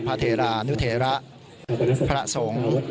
เทรานุเทระพระสงฆ์